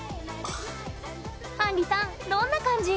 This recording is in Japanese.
あんりさん、どんな感じ？